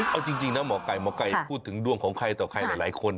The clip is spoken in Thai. เอาจริงนะหมอไก่หมอไก่พูดถึงดวงของใครต่อใครหลายคน